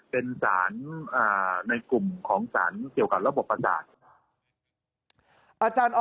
เป็นสารในกลุ่มของสารเกี่ยวกับระบบประสาท